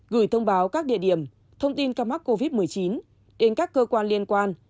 gửi thông báo các địa điểm thông tin ca mắc covid một mươi chín đến các cơ quan liên quan